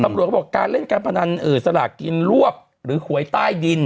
ตำรวจเขาบอกการเล่นการพนันเอ่ยสลากกินลวบหรือขวยใต้ดิน